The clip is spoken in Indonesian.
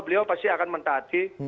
beliau pasti akan mentah hati